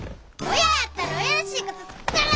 親やったら親らしいことさらせ！